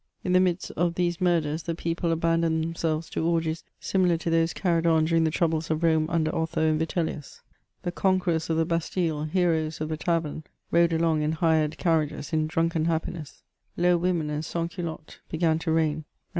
In the midst of these murders the people abandoned tnem selves to orgies similar to those carried on during the troubles of Rome' under Otho arid Vitellius. The conquerors of the Bastille^ heroes of the tavern, rode along in hired carriages, in drunken happiness ; low women and sanS'Coulottes began to reign, and